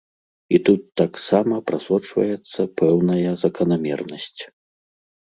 І тут таксама прасочваецца пэўная заканамернасць.